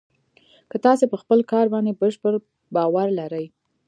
که تاسې په خپل کار باندې بشپړ باور لرئ